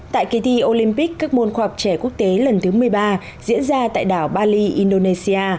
tại kỳ thi olympic các môn khoa học trẻ quốc tế lần thứ một mươi ba diễn ra tại đảo bali indonesia